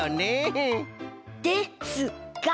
ですが！